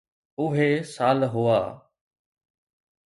اهي سال هئا.